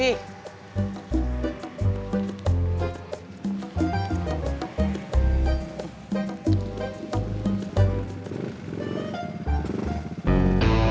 saya ada perlu